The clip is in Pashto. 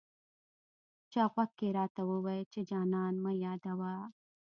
چا غوږ کې راته وویې چې جانان مه یادوه.